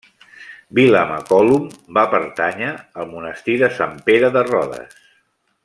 Vilamacolum va pertànyer al monestir de Sant Pere de Rodes.